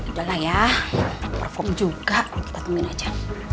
udah lah ya perform juga kita tungguin aja